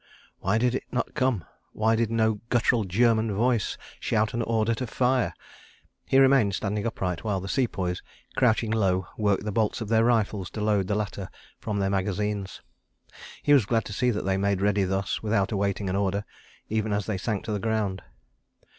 ... Why did it not come? ... Why did no guttural German voice shout an order to fire? .... He remained standing upright, while the Sepoys, crouching low, worked the bolts of their rifles to load the latter from their magazines. He was glad to see that they made ready thus, without awaiting an order, even as they sank to the ground.